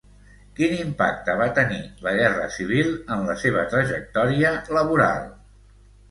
Quin impacte va tenir la guerra civil en la seva trajectòria laboral?